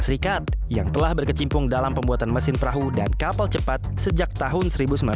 serikat yang telah berkecimpung dalam pembuatan mesin perahu dan kapal cepat sejak tahun seribu sembilan ratus sembilan puluh